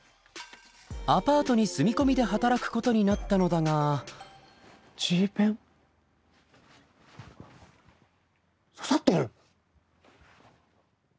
アパートに住み込みで働くことになったのだがＧペン？刺さってる？